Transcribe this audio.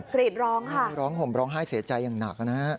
กรีดร้องค่ะร้องห่มร้องไห้เสียใจอย่างหนักนะฮะ